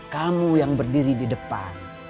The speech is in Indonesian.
kamu yang berdiri di depan